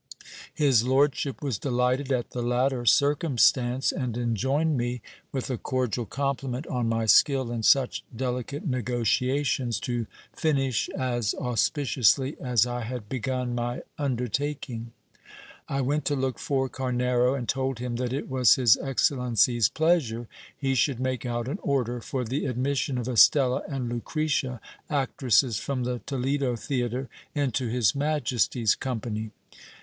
His lordship was delighted at the latter circumstance, and enjoined me, with a cordial compliment on my skill in such delicate negociations, to finish as auspi ciously as I had begun my undertaking. I went to look for Carnero, and told him that it was his excellency's pleasure he should make out an order for the admission of Estella and Lucretia, actresses from the Toledo theatre, into his majesty's company.